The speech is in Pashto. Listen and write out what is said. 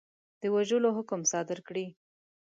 د وژلو حکم صادر کړي.